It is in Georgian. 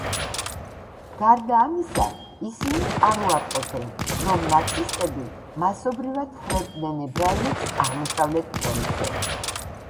გარდა ამისა, ისინი არ უარყოფენ, რომ ნაცისტები მასობრივად ხვრეტდნენ ებრაელებს აღმოსავლეთ ფრონტზე.